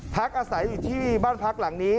พักอาศัยอยู่ที่บ้านพักหลังนี้